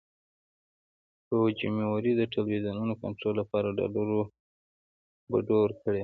فوجیموري د ټلویزیونونو کنټرول لپاره ډالرو بډو ورکړي وو.